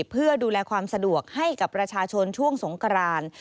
เพื่อดูแลความสะดวกให้กับประชาชนช่วงสงกราน